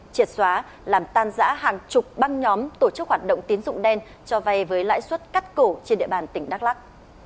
triệt xóa làm tan giã hàng chục băng nhóm tổ chức hoạt động tín dụng đen cho vay với lãi suất cắt cổ trên địa bàn tỉnh đắk lắc